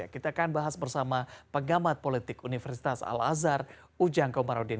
kita akan bahas bersama pengamat politik universitas al azhar ujang komarudin